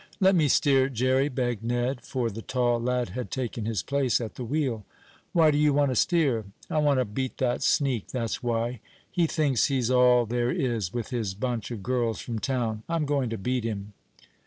"Let me steer, Jerry," begged Ned, for the tall lad had taken his place at the wheel. "Why do you want to steer?" "I want to beat that sneak, that's why! He thinks he's all there is, with his bunch of girls from town. I'm going to beat him!"